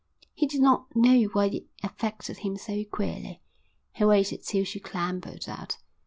He did not know why it affected him so queerly. He waited till she clambered out.